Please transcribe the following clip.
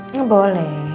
ini gak boleh